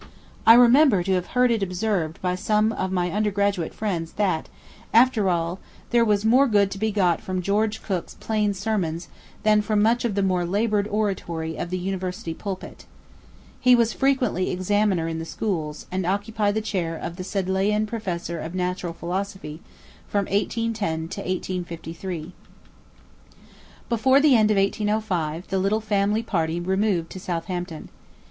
I remember to have heard it observed by some of my undergraduate friends that, after all, there was more good to be got from George Cooke's plain sermons than from much of the more laboured oratory of the University pulpit. He was frequently Examiner in the schools, and occupied the chair of the Sedleian Professor of Natural Philosophy, from 1810 to 1853. Before the end of 1805, the little family party removed to Southampton.